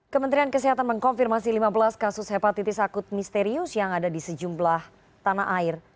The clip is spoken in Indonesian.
kementerian kesehatan mengkonfirmasi lima belas kasus hepatitis akut misterius yang ada di sejumlah tanah air